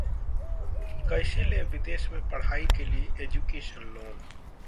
कैसे लें विदेश में पढ़ाई के लिए एजुकेशन लोन